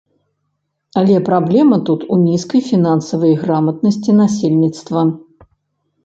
Але праблема тут у нізкай фінансавай граматнасці насельніцтва.